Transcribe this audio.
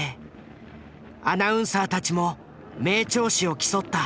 アナウンサーたちも名調子を競った。